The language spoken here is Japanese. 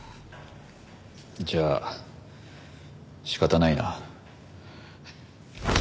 じゃあ仕方ないな。